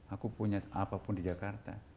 aku punya apapun di jakarta